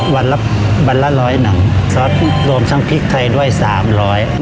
วันละ๑๐๐หนังซอสรวมทั้งพริกไทยด้วย๓๐๐บาท